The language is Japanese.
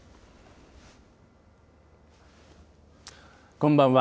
こんばんは。